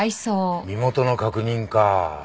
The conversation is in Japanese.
身元の確認か。